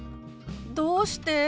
どうして？